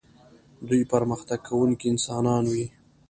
دوی پرمختګ کوونکي انسانان وي.